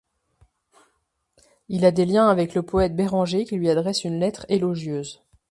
Il a des liens avec le poète Béranger qui lui adresse une lettre élogieuse.